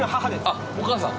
あっお母さん。